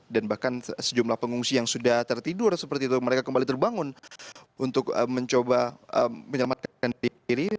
dan bahkan sejumlah pengungsi yang sudah tertidur seperti itu mereka kembali terbangun untuk mencoba menyelamatkan diri